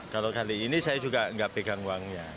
kalau kali ini saya juga nggak pegang uangnya